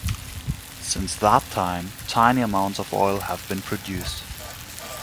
Since that time, tiny amounts of oil have been produced.